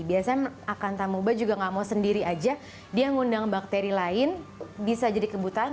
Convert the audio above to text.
biasanya akantamuba juga nggak mau sendiri aja dia ngundang bakteri lain bisa jadi kebutuhan